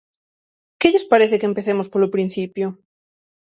¿Que lles parece que empecemos polo principio?